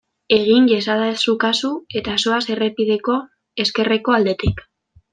Egin iezadazu kasu eta zoaz errepideko ezkerreko aldetik.